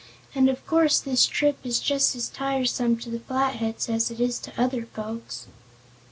And of course this trip is just as tiresome to the Flatheads as it is to other folks."